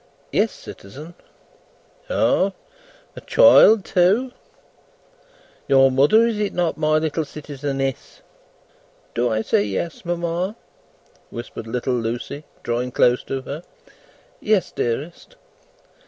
"Yes, citizen." "Ah! A child too! Your mother, is it not, my little citizeness?" "Do I say yes, mamma?" whispered little Lucie, drawing close to her. "Yes, dearest."